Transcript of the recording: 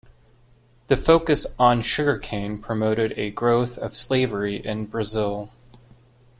The focus on sugarcane promoted a growth of slavery in Brazil.